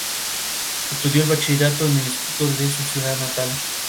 Estudió el bachillerato en el instituto de su ciudad natal.